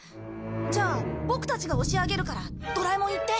じゃあボクたちが押し上げるからドラえもん行って！